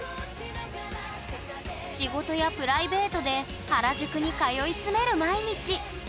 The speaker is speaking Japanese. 仕事やプライベートで原宿に通い詰める毎日。